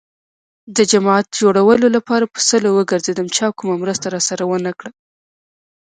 د جماعت جوړولو لپاره په سلو وگرځېدم. چا کومه مرسته راسره ونه کړه.